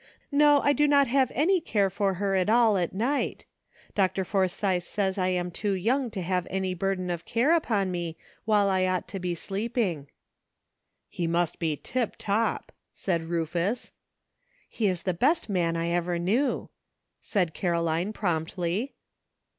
No, I do not have any care of her at all at night; Dr. Forsythe says I am too young to have any burden of care upon me while I ought to be sleeping." '' He must be tip top," said Rufus. ''He is the best man I ever knew," said Caroline promptly.